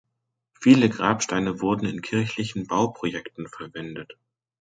Viele Grabsteine wurden in kirchlichen Bauprojekten verwendet.